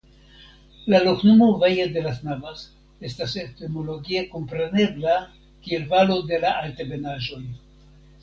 La loknomo "Valle de las Navas" estas etimologie komprenebla kiel "Valo de la Altebenaĵoj".